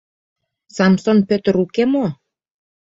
Самсон Пӧтыр уке мо?